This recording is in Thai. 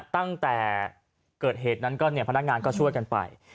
ตั้งแต่เกิดเหตุนั้นก็เนี่ยพนักงานก็ช่วยกันไป